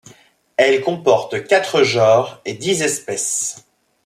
Elle comporte quatre genres et dix espèces.